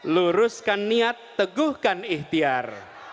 luruskan niat teguhkan ikhtiar